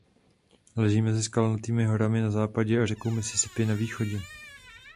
Leží mezi Skalnatými horami na západě a řekou Mississippi na východě.